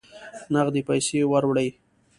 نغدي پیسې وروړي.